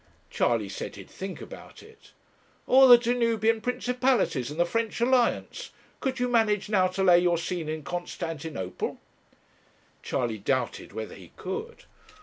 Charley said he'd think about it. 'Or the Danubian Principalities and the French Alliance could you manage now to lay your scene in Constantinople?' Charley doubted whether he could.